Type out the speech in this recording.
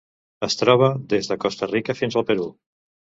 Es troba des de Costa Rica fins al Perú.